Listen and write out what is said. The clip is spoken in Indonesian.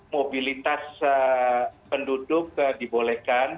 mobilitas penduduk dibolehkan